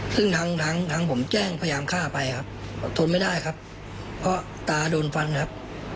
ซึ่งทั้งผมแจ้งพยายามฆ่าไปครับทนไม่ได้ครับเพราะตาโดนฟันครับ